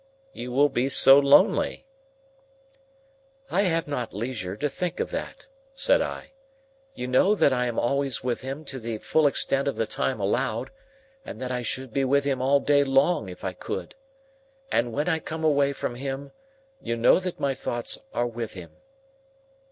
"You will be so lonely." "I have not leisure to think of that," said I. "You know that I am always with him to the full extent of the time allowed, and that I should be with him all day long, if I could. And when I come away from him, you know that my thoughts are with him."